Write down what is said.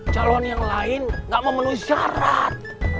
calon yang lain gak mau menuhi syarat